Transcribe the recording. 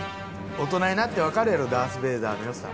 大人になってわかるやろダース・ベイダーの良さ。